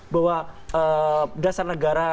bahwa dasar negara